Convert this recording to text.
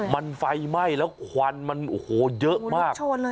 มันไฟไหม้แล้วควันมันโอ้โหเยอะมาก